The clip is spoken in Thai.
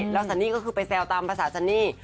แล้วซันนี่ก็คือไปแซวตามภาษาซันนี่